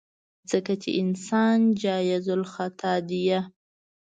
ځکه چې انسان جايزالخطا ديه.